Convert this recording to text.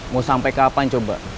mau sampai kapan coba